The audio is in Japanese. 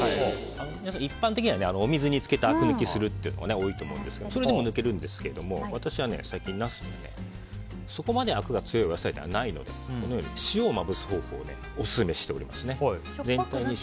皆さん、一般的にはお水につけてあく抜きするというのが多いと思うんですがそれでも抜けるんですが私は最近ナスは、そこまであくが強いお野菜ではないので塩をまぶす方法をオススメてしております。